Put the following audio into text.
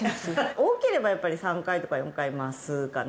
多ければやっぱり３回とか４えー！